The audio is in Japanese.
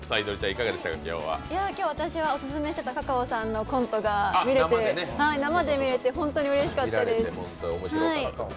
今日、私はオススメしていたｃａｃａｏさんのコントが生で見れて本当にうれしかったです。